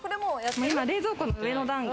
冷蔵庫の上の段が